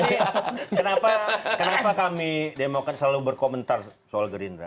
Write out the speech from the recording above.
ini kenapa kami demokan selalu berkomentar soal gerindra